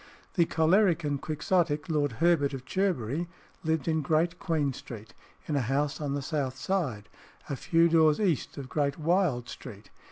The choleric and Quixotic Lord Herbert of Cherbury lived in Great Queen Street, in a house on the south side, a few doors east of Great Wyld Street.